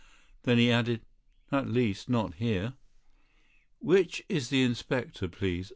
Then he added: "At least, not here." "Which is the inspector, please?"